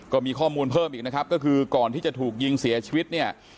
ก็มีข้อมูลเพิ่มอีกนะครับก็คือก่อนที่จะถูกยิงเสียชีวิตเนี่ย